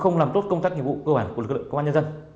hai gram cần sa